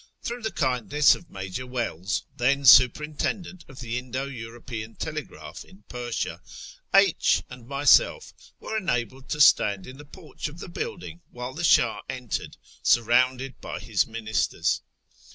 Through the kindness of Major Wells, then superintendent of the Indo European Tele graph in Persia, H and myself were enabled to stand in the porch of the building while the Shtih entered, surrounded by his ministers.